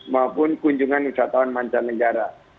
maupun kunjungan usahawan mancanegara